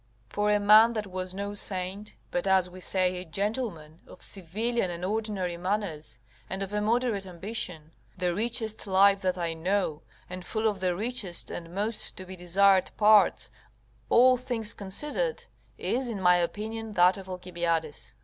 For a man that was no saint, but, as we say, a gentleman, of civilian and ordinary manners, and of a moderate ambition, the richest life that I know, and full of the richest and most to be desired parts, all things considered, is, in my opinion, that of Alcibiades.